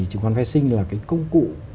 chứng khoán phái sinh là công cụ